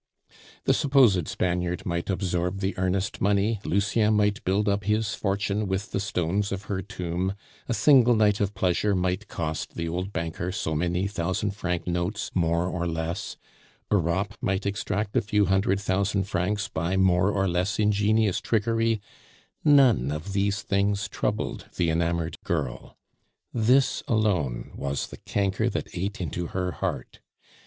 The supposed Spaniard might absorb the earnest money, Lucien might build up his fortune with the stones of her tomb, a single night of pleasure might cost the old banker so many thousand franc notes more or less, Europe might extract a few hundred thousand francs by more or less ingenious trickery, none of these things troubled the enamored girl; this alone was the canker that ate into her heart.